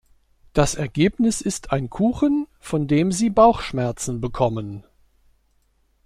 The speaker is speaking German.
Das Ergebnis ist ein Kuchen, von dem sie Bauchschmerzen bekommen.